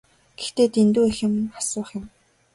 Гэхдээ дэндүү их юм асуух юм.